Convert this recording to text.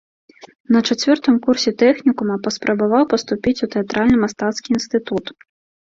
На чацвёртым курсе тэхнікума паспрабаваў паступіць у тэатральна-мастацкі інстытут.